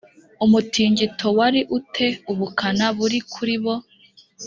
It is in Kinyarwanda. umutingito wari u te ubukana buri kuri bo